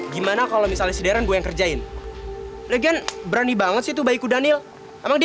gimana kalau misalnya si deren gue kerjain lagi berani banget itu baik udah nil amang dia